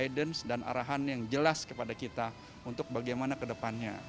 dan beliau memberikan guidance dan arahan yang jelas kepada kita untuk bagaimana kedepannya